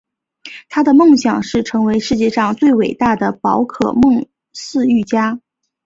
他的梦想是成为世界上最伟大的宝可梦饲育家。